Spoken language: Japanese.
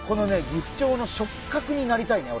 ギフチョウの触角になりたいね